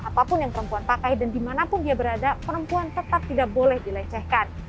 apapun yang perempuan pakai dan dimanapun dia berada perempuan tetap tidak boleh dilecehkan